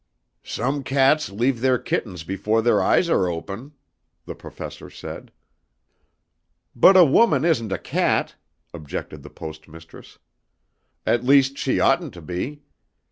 "Some cats leave their kittens before their eyes are open," the Professor said. "But a woman isn't a cat," objected the Post Mistress. "At least she oughtn't to be.